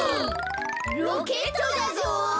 ロケットだぞ。